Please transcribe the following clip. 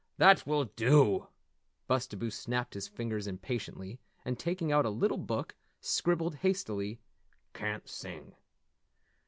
That will dew!" Bustabo snapped his fingers impatiently, and taking out a little book scribbled hastily: "Can't sing."